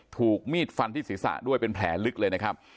ถูกมีดฟันที่ศีรษะด้วยเป็นแผลลึกเลยนะครับ